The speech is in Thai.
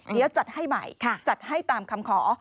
เดี๋ยวจัดให้ใหม่จัดให้ตามคำขอ